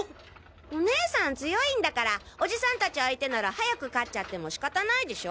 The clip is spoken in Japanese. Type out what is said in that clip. おねさん強いんだからおじさんたち相手なら早く勝っちゃっても仕方ないでしょ。